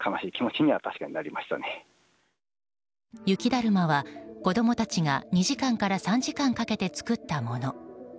雪だるまは子供たちが２時間から３時間かけて作ったもの。